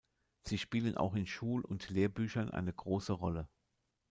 Sie spielen auch in Schul- und Lehrbüchern eine große Rolle.